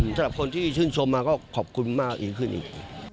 สำหรับคนที่ชื่นชมมาก็ขอบคุณมากยิ่งขึ้นอีก